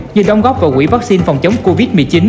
như đóng góp vào quỹ vaccine phòng chống covid một mươi chín